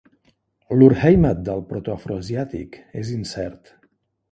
L'Urheimat del protoafroasiàtic és incert.